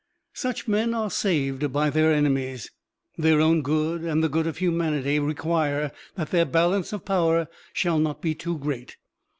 Such men are saved by their enemies. Their own good and the good of humanity require that their balance of power shall not be too great.